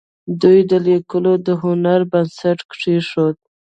دوی د لیکلو د هنر بنسټ کېښود.